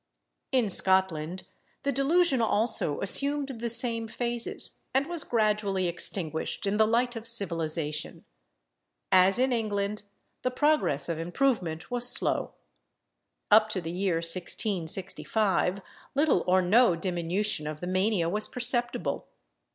In Scotland, the delusion also assumed the same phases, and was gradually extinguished in the light of civilisation. As in England, the progress of improvement was slow. Up to the year 1665, little or no diminution of the mania was perceptible.